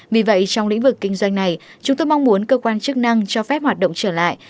vì vậy trong lĩnh vực kinh doanh này chúng tôi mong muốn cơ quan chức năng cho phép hoạt động trở lại